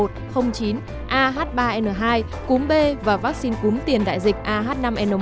gồm cúng ah một n một chín ah ba n hai cúng b và vaccine cúng tiền đại dịch ah năm n một